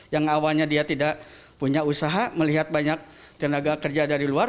yang awalnya dia tidak punya usaha melihat banyak tenaga kerja dari luar